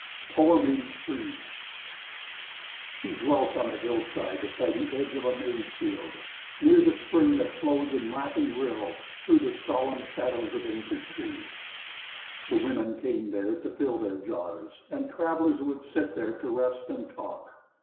83 She dwelt on the hillside by the edge of a maize field, near the spring that flows in laughing rills through the solemn shadows of ancient trees. The women came there to fill their jars, and travellers would sit there to rest and talk.